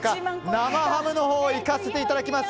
生ハムのほうにいかせていただきます。